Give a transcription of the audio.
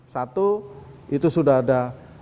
satu itu sudah ada